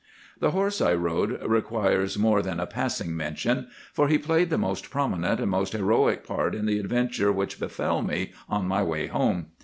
"The horse I rode requires more than a passing mention, for he played the most prominent and most heroic part in the adventure which befell me on my way home.